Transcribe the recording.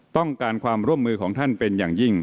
ต้องการความร่วมมือของท่านเป็นอย่างยิ่ง